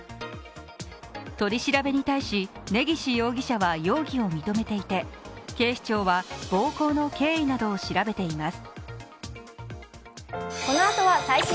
取り調べに対し、根岸容疑者は容疑を認めていて、警視庁は暴行の経緯などを調べています。